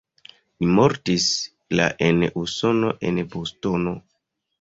Li mortis la en Usono en Bostono.